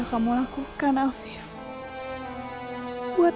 hai pada saat apa